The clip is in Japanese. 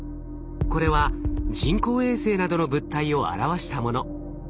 これは人工衛星などの物体を表したもの。